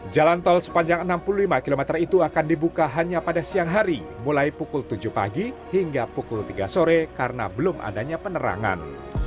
jalan tol sepanjang enam puluh lima km itu akan dibuka hanya pada siang hari mulai pukul tujuh pagi hingga pukul tiga sore karena belum adanya penerangan